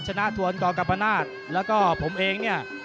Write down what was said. ชนะทวนเกาะกปนาทและผมเองเนี่ย